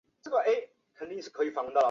勒朗人口变化图示